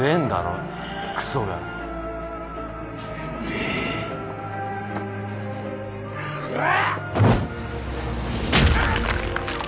うわ！